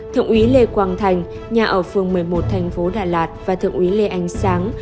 thượng úy lê quang thành nhà ở phường một mươi một thành phố đà lạt và thượng úy lê ánh sáng